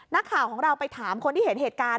นักข่าวของเราไปถามคนที่เห็นเหตุการณ์